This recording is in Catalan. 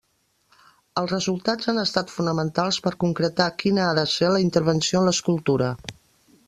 Els resultats han estat fonamentals per concretar quina ha de ser la intervenció en l'escultura.